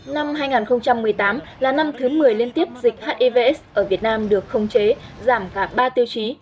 năm hai nghìn một mươi tám là năm thứ một mươi liên tiếp dịch hiv aids ở việt nam được không chế giảm cả ba tiêu chí